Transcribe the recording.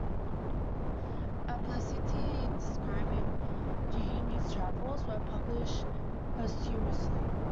A "Placiti" describing Ghini's travels was published posthumously.